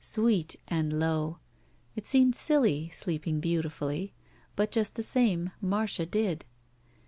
Sweet and low. It seemed silly, sleeping beautifully. But just the same, Marcia did.